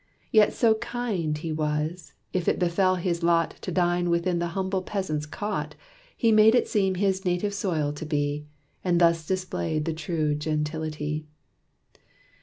Yet So kind he was, if it befell his lot To dine within the humble peasant's cot, He made it seem his native soil to be, And thus displayed the true gentility.